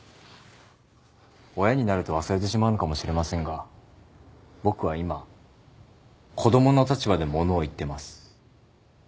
親になると忘れてしまうのかもしれませんが僕は今子供の立場で物を言ってます。